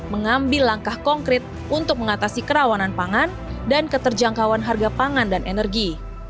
mengambil langkah konkret untuk mengatasi kerawanan pangan dan keterjangkauan harga pangan dan energi